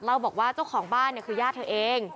เราบอกว่าเจ้าของบ้านคือย่าเธอเอง